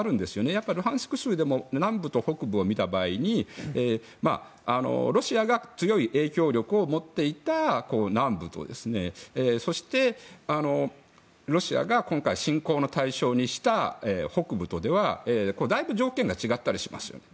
やっぱり、ルハンシク州でも南部と北部を見た場合にロシアが強い影響力を持っていた南部とそして、ロシアが今回侵攻の対象にした北部とでは、だいぶ条件が違ったりしますよね。